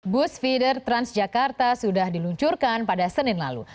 bus feeder transjakarta sudah diluncurkan pada senin lalu